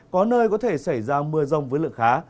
có nơi có thể xảy ra mưa rông với lượng khá